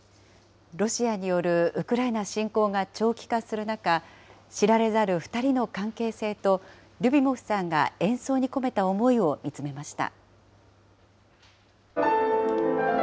ロシアによるウクライナ侵攻が長期化する中、知られざる２人の関係性と、リュビモフさんが演奏に込めた思いを見つめました。